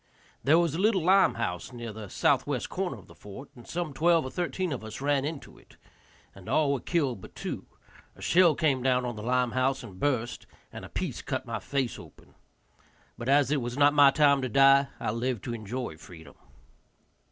There was a little lime house near the southwest corner of the fort, and some twelve or thirteen of us ran into it, and all were killed but two; a shell came down on the lime house and burst, and a piece cut my face open. But as it was not my time to die, I lived to enjoy freedom.